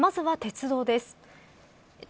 まずは鉄道です。